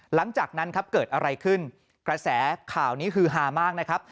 หลังจากนั้นครับเกิดอะไรขึ้นกระแสข่าวนี้ฮือฮามากนะครับ